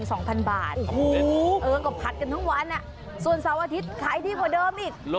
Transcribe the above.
เออก็ผัดกันทั้งวันส่วนเสาร์อาทิตย์ขายดีกว่าเดิมอีก